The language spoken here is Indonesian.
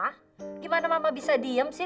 bagaimana mama bisa diam sih